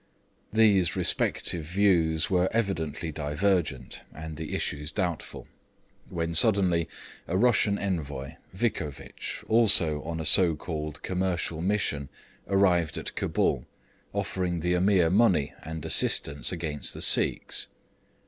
These respective views were evidently divergent and the issues doubtful; when suddenly a Russian Envoy (Vicovitch), also on a so called commercial mission, arrived at Cabul, offering the Ameer money and assistance against the Sikhs.